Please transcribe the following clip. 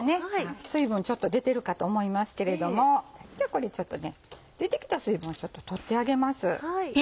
水分ちょっと出てるかと思いますけれどもこれ出てきた水分をちょっと取ってあげます。